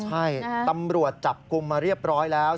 ใช่ตำรวจจับกลุ่มมาเรียบร้อยแล้ว